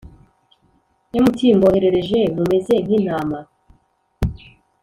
Mt mbohereje mumeze nk intama